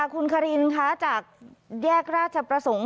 คุณคารินคะจากแยกราชประสงค์